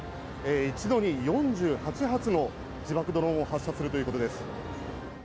一度に４８発の自爆ドローンを発射するということです。